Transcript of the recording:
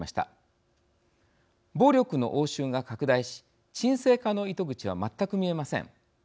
暴力の応酬が拡大し沈静化の糸口は全く見えません。